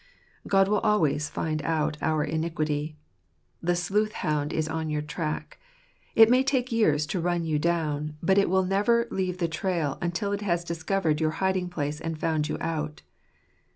God will always find out our iniquity. The sleuth hound is on your track : it may take years to run you down; but it will never leave the trail until it has dis covered your hiding place and found you out.